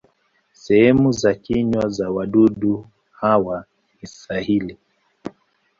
Sehemu za kinywa za wadudu hawa ni sahili.